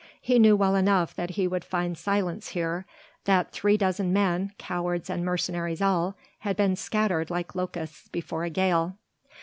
He knew well enough that he would find silence here, that three dozen men cowards and mercenaries all had been scattered like locusts before a gale.